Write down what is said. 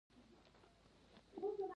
بېرته به یې پښېمان کړم